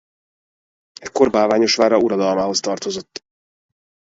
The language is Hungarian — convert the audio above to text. Ekkor Bálványos vára uradalmához tartozott.